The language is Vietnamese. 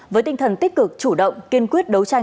với tinh thần tích cực chủ động kiên quyết đấu tranh